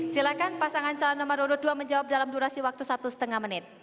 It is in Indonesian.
silakan pasangan calon nomor dua puluh dua menjawab dalam durasi waktu satu lima menit